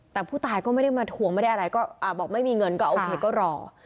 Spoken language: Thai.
แต่ผู้ตายก็ไม่ได้มาทวงไม่ได้อะไรก็บอกไม่มีเงินก็โอเคก็รอ